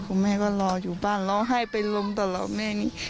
คุณแม่ก็รออยู่บ้านรอให้ไปลงตลอดแม่นี้